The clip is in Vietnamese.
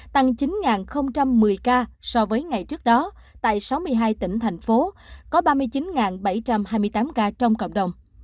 tăng chín một mươi ca so với ngày trước đó tại sáu mươi hai tỉnh thành phố có ba mươi chín bảy trăm hai mươi tám ca trong cộng đồng